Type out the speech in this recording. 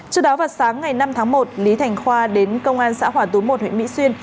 trước đó vào sáng ngày năm tháng một lý thành khoa đến công an xã hòa tú một huyện mỹ xuyên